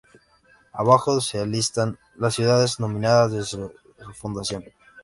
Abajo se listan las ciudades nominadas desde su fundación.